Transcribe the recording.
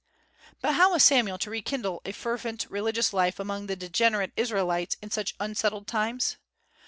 But how was Samuel to rekindle a fervent religious life among the degenerate Israelites in such unsettled times?